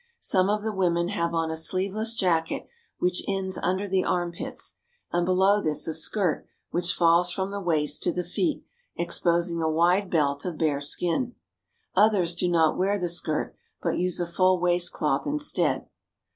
Some of the women have on a sleeveless jacket which ends under the armpits, and below this a skirt which falls from the waist to the feet, exposing a wide belt of bare skin. Others do not wear the skirt, but use a full waistcloth instead.